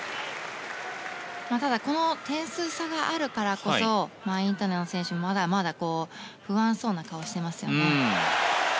ただ、この点数差があるからこそインタノン選手も、まだまだ不安そうな顔をしてますよね。